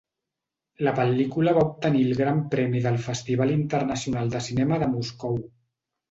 La pel·lícula va obtenir el Gran Premi del Festival Internacional de Cinema de Moscou.